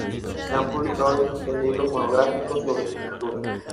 Se han publicado distintos libros monográficos sobre su pintura.